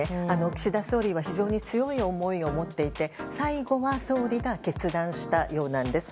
岸田総理は非常に強い思いを持っていて最後は総理が決断したようなんです。